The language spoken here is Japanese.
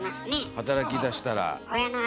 働きだしたら。